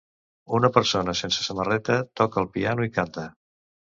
Una persona sense samarreta toca el piano i canta.